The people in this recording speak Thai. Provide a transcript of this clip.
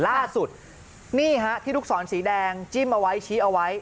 ล่าสุดนี่ฮะที่ลูกศรสีแดงจิ้มเอาไว้ชี้เอาไว้